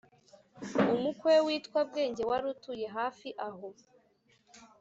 Umukwe we witwaga Bwenge wari utuye hafi aho